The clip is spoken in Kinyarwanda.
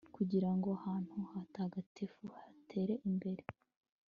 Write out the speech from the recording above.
kugira ngo ahantu hatagatifu hatere imbere